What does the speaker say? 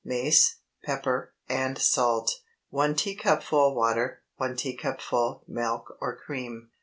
Mace, pepper, and salt. 1 teacupful water. 1 teacupful milk or cream.